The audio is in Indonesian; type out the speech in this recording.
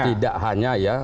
tidak hanya ya